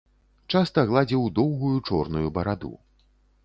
Часта гладзіў доўгую чорную бараду.